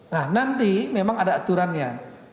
nah nanti memang ada aturannya